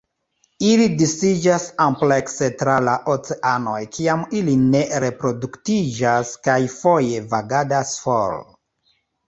Ili disiĝas amplekse tra la oceanoj kiam ili ne reproduktiĝas, kaj foje vagadas for.